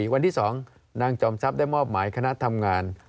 วันที่๒นางจอมทรัพย์ได้มอบหมายคณะทำงาน